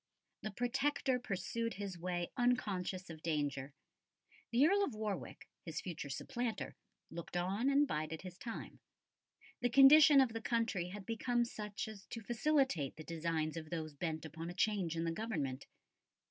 The Protector pursued his way unconscious of danger. The Earl of Warwick, his future supplanter, looked on and bided his time. The condition of the country had become such as to facilitate the designs of those bent upon a change in the Government.